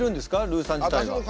ルーさん自体は。